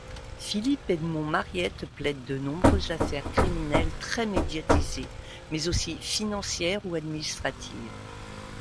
Philippe Edmond-Mariette plaide de nombreuses affaires criminelles très médiatisées mais aussi financières ou administratives.